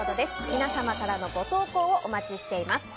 皆様からのご投稿をお待ちしています。